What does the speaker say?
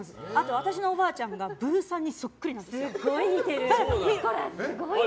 私のおばあちゃんがブーさんにそっくりなんです。